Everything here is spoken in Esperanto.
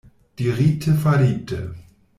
Dirite, farite.